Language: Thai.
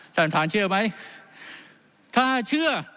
ท่านประธานเชื่อไหมถ้าเชื่อ